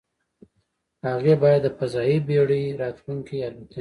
هغې باید د فضايي بېړۍ راتلونکې الوتنې